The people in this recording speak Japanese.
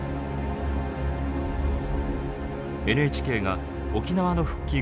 ＮＨＫが沖縄の復帰